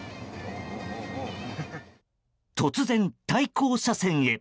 突然、対向車線へ。